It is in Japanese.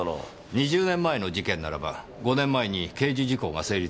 ２０年前の事件ならば５年前に刑事時効が成立していますねぇ。